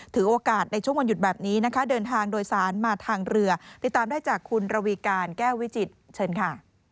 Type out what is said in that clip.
ถือโอกาสในช่วงวันหยุดแบบนี้นะคะเดินทางโดยสารมาทางเรือติดตามได้จากคุณระวีการแก้ววิจิตรเชิญค่ะ